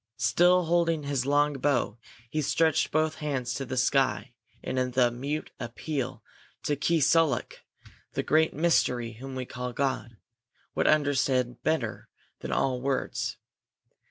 Still holding his long bow he stretched both hands to the sky in the mute appeal that Keesuolukh, the Great Mystery whom we call God, would understand better than all words.